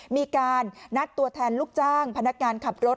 มีการนัดตัวแทนลูกจ้างพนักงานขับรถ